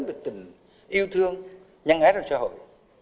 về tình yêu thương nhân ái trong xã hội